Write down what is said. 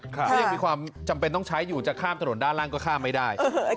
ถ้ายังมีความจำเป็นต้องใช้อยู่จะข้ามถนนด้านล่างก็ข้ามไม่ได้